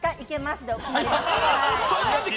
で決まりました。